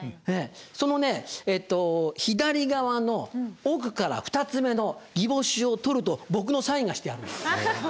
そのね左側の奥から２つ目の擬宝珠を取ると僕のサインがしてあるんです。